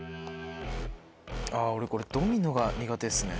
あぁ俺これドミノが苦手ですね。